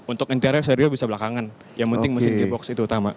untuk interior bisa belakangan yang penting mesin gearbox itu utama